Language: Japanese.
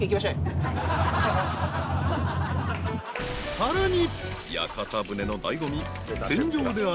［さらに］